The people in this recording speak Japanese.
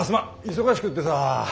忙しくってさ。